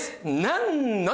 なんの？